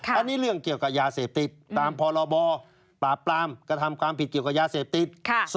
อันนี้เรื่องเกี่ยวกับยาเสพติดตามพรบปราบปรามกระทำความผิดเกี่ยวกับยาเสพติด